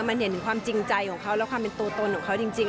มันเห็นถึงความจริงใจของเขาและความเป็นตัวตนของเขาจริง